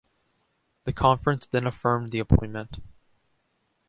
The conference then affirmed the appointment.